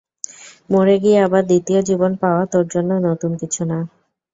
মরে গিয়ে আবার দ্বিতীয় জীবন পাওয়া তোর জন্য নতুন কিছু না।